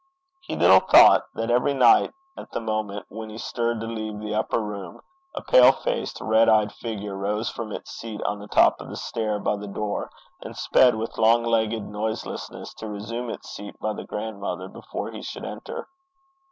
He little thought, that every night, at the moment when he stirred to leave the upper room, a pale faced, red eyed figure rose from its seat on the top of the stair by the door, and sped with long legged noiselessness to resume its seat by the grandmother before he should enter.